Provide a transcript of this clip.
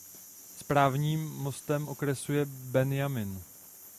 Správním městem okresu je Benjamin.